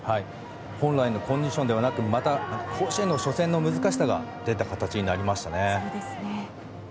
本来のコンディションではなくまた、甲子園の初戦の難しさが出た形になりましたね。